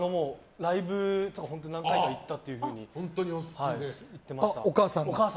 ライブとか何回も行ったって言ってました。